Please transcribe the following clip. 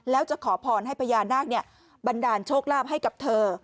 แล้วจะขอพรให้พญานาคบันดาลโชคลาภให้กับเธอ